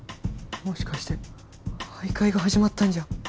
もしかして徘徊が始まったんじゃ。